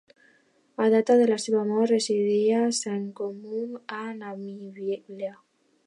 A data de la seva mort residia a Swakopmund, a Namíbia.